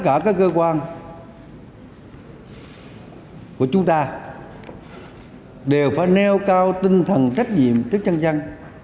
chính vì vậy tất cả các cơ quan của chúng ta đều phải nêu cao tinh thần trách nhiệm trước chân dân